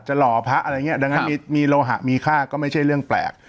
หล่อพระอะไรอย่างนี้ดังนั้นมีโลหะมีค่าก็ไม่ใช่เรื่องแปลก